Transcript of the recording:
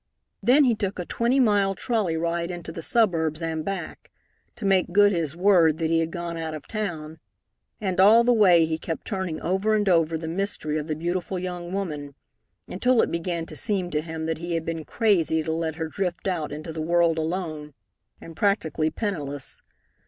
Then he took a twenty mile trolley ride into the suburbs and back, to make good his word that he had gone out of town; and all the way he kept turning over and over the mystery of the beautiful young woman, until it began to seem to him that he had been crazy to let her drift out into the world alone and practically penniless.